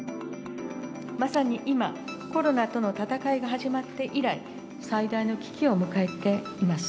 まさに今、コロナとの闘いが始まって以来、最大の危機を迎えています。